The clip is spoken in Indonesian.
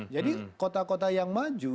jadi kota kota yang maju